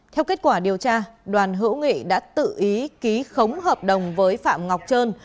theo kết quả điều tra đoàn hữu nghị đã tự ý ký khống hợp đồng với phạm ngọc trơn